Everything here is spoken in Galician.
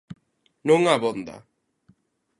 Non abonda.